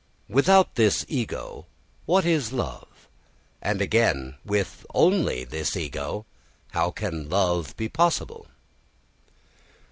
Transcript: Without this ego what is love? And again, with only this ego how can love be possible?